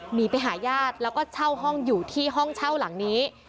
หนีไปหาญาติแล้วก็เช่าห้องอยู่ที่ห้องเช่าหลังนี้